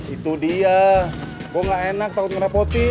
itu dia gue gak enak takut merapatin